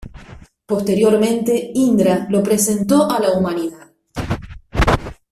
Posteriormente, Indra lo presentó a la humanidad.